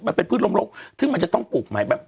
มันเป็นพืชลมรกซึ่งมันจะต้องปลูกใหม่แบบ